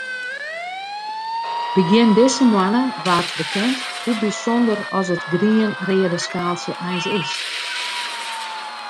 Begjin dizze moanne waard bekend hoe bysûnder as it grien-reade skaaltsje eins is.